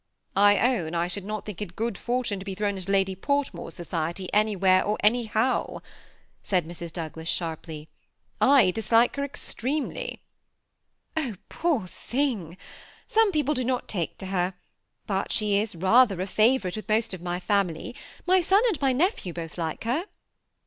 TBS SEMI AirrACaED COUPLE. 246 ^I own I should not tfaink it good fortone to be thrown into Lady Portmore's society anywhere or any how,'' said Mrs. Douglas, sharply ;'^ I disl&e her ex tremely/* ^ Oh, poor thing ! some people do not take to her ; but she is rather a favorite with most of my family : my son and my nephew both like her."